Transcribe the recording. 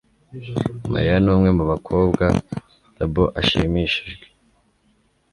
Mariya numwe mubakobwa Bobo ashimishijwe